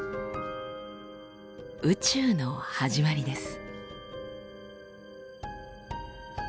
宇宙の始まりです。